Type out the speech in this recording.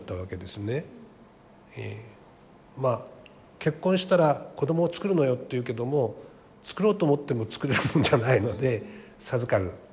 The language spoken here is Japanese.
結婚したら子供を作るのよって言うけども作ろうと思っても作れるもんじゃないので授かる。